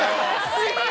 すごい。